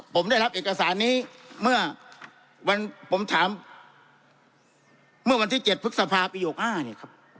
ผมได้รับเอกสารนี้เมื่อวันผมถามเมื่อวันที่๗พฤษภาปี๖๕เนี่ยครับ